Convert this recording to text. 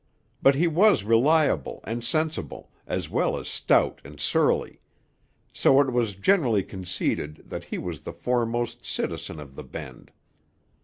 But he was reliable and sensible, as well as stout and surly; so it was generally conceded that he was the foremost citizen of the Bend.